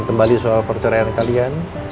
kembali soal perceraian kalian